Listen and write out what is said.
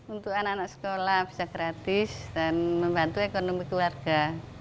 untuk anak anak sekolah bisa gratis dan membantu ekonomi keluarga